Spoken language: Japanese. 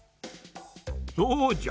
そうじゃ。